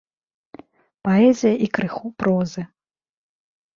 Паэзія і крыху прозы.